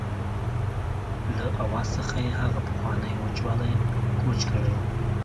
له آواز څخه یې هغه پخوانی وچوالی کوچ کړی و.